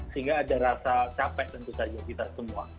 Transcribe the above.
sehingga ada rasa capek tentu saja kita semua